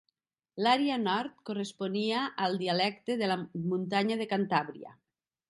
L'àrea nord corresponia al dialecte de la muntanya de Cantàbria.